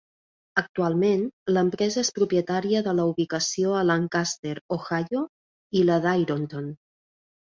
Actualment, l'empresa és propietària de la ubicació a Lancaster, Ohio i la d'Ironton.